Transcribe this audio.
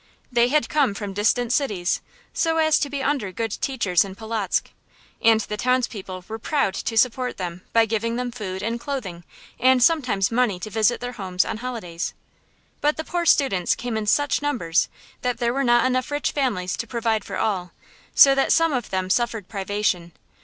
They had come from distant cities, so as to be under good teachers in Polotzk; and the townspeople were proud to support them by giving them food and clothing and sometimes money to visit their homes on holidays. But the poor students came in such numbers that there were not enough rich families to provide for all, so that some of them suffered privation.